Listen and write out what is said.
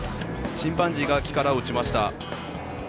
チンパンジーが木から落ちました。